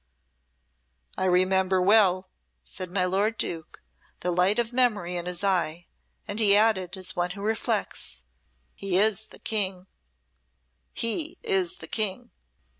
"I remember well," said my lord Duke, the light of memory in his eye, and he added, as one who reflects, "He is the King he is the King!"